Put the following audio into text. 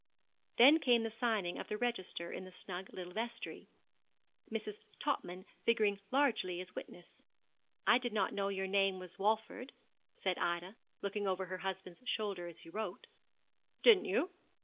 Then came the signing of the register in the snug little vestry, Mrs. Topman figuring largely as witness. 'I did not know your name was Walford,' said Ida, looking over her husband's shoulder as he wrote. 'Didn't you?